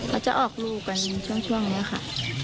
เขาจะออกลูกกันช่วงนี้ค่ะ